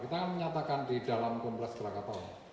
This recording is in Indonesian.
kita kan menyatakan di dalam kompleks krakatau